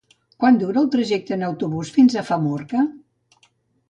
Quant dura el trajecte en autobús fins a Famorca?